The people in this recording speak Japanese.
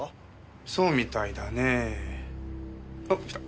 そうみたいだねえ。あっ来た。